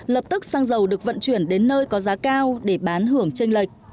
lập tức xăng dầu được vận chuyển đến nơi có giá cao để bán hưởng chênh lịch